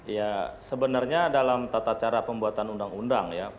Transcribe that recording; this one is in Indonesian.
ya sebenarnya dalam tata cara pembuatan undang undang ya